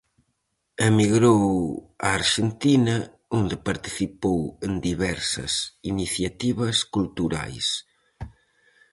Emigrou a Arxentina, onde participou en diversas iniciativas culturais.